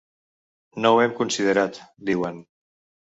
No ho hem considerat, diuen.